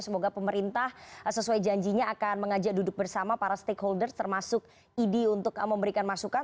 semoga pemerintah sesuai janjinya akan mengajak duduk bersama para stakeholders termasuk idi untuk memberikan masukan